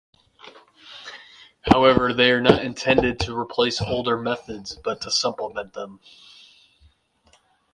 However, they are not intended to replace older methods but to supplement them.